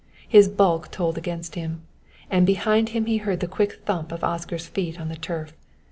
His bulk told against him; and behind him he heard the quick thump of Oscar's feet on the turf.